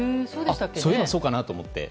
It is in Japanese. そういえばそうかなと思って。